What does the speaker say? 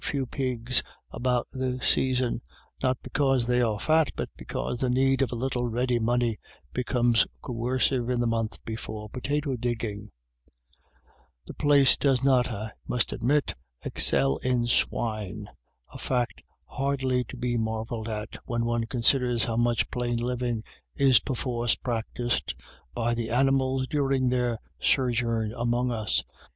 249 few pigs about this season, not because they are fat, but because the need of a little ready money becomes coercive in the month before potato digging The place does not, I must admit, excel in swine, a fact hardly to be marvelled at, when one considers how much plain living is perforce practised by the animals during their sojourn among us.